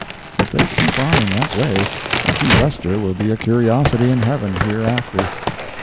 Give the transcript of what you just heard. If they keep on in that way, a Key Wester will be a curiosity in Heaven here after.